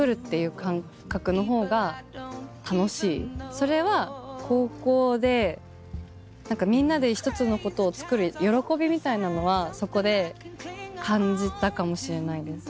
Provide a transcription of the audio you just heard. それは高校でみんなで一つのことを作る喜びみたいなのはそこで感じたかもしれないです。